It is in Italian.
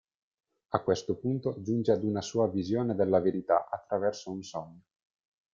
A questo punto giunge ad una sua "Visione della Verità" attraverso un sogno.